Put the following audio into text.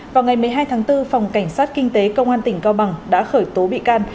vào ngày một mươi hai tháng bốn phòng cảnh sát kinh tế công an tỉnh cao bằng đã khởi tố bị can